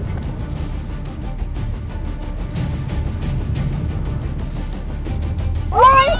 อุ๊ยแกด้วย